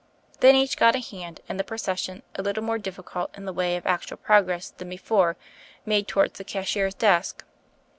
Then each got a hand, and the procession, a little more difficult in the way of actual progress than before, made towards the cashier's desk.